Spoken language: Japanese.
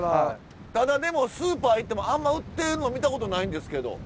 ただでもスーパー行ってもあんま売ってるの見たことないんですけど。